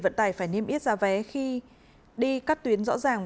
vận tải phải niêm yết giá vé khi đi các tuyến rõ ràng